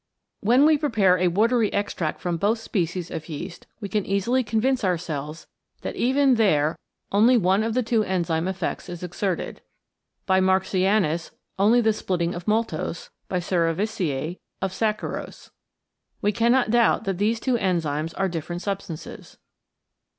When we prepare a watery extract from both species of yeast we can easily convince ourselves that even there only one of the two enzyme effects is exerted. By Marxianus only the splitting of maltose, by Cerevisice of saccharose. We cannot doubt that these two enzymes are different substances.